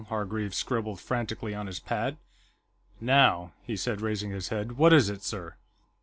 Hargreaves scribbled frantically on his pad. "Now," he said, raising his head. "What is it, sir?"